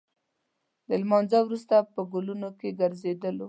د لمانځه وروسته په ګلونو کې ګرځېدلو.